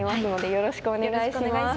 よろしくお願いします。